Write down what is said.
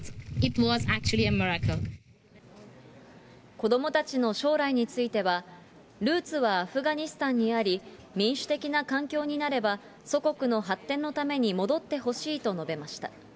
子どもたちの将来については、ルーツはアフガニスタンにあり、民主的な環境になれば、祖国の発展のために戻ってほしいと述べました。